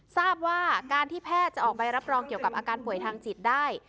ทราบว่าการที่แพทย์จะออกใบรับรองเกี่ยวกับอาการป่วยทางจิตได้